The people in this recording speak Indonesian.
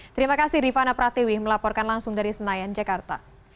terima kasih rifana pratiwi melaporkan langsung dari senayan jakarta